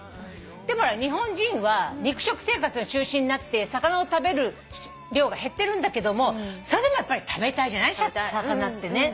日本人は肉食生活が中心になって魚を食べる量が減ってるんだけどそれでもやっぱり食べたいじゃない魚ってね。